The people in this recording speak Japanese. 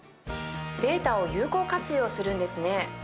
データを有効活用するんですね。